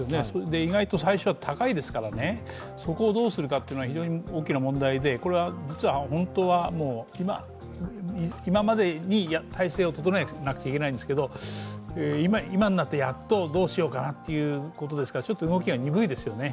意外と最初は高いですからそこをどうするかっていうのが非常に大きな問題でこれは本当は今までに体制を整えなければいけないんですけど今になってやっとどうしようかなということですからちょっと動きが鈍いですよね。